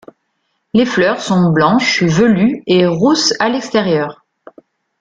Les fleurs sont blanches, velues et rousses à l’extérieur.